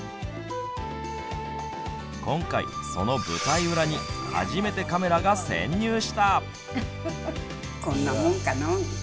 今回その舞台裏に初めてカメラが潜入した。